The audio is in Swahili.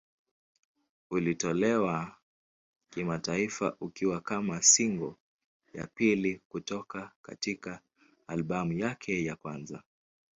Ulitolewa kimataifa ukiwa kama single ya pili kutoka katika albamu yake ya kwanza.